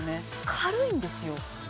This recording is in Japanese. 軽いんですよ